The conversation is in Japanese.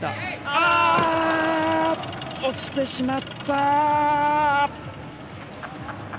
落ちてしまった。